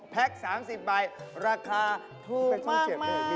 พัก๓๐ใบราคาถูกมาก